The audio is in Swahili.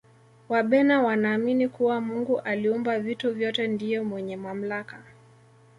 wabena wanaamini kuwa mungu aliumba vitu vyote ndiye mwenye mamlaka